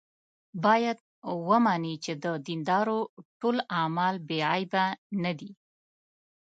باید ومني چې د دیندارو ټول اعمال بې عیبه نه دي.